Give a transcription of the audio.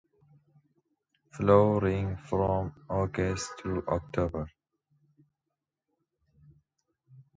Flowering from August to October.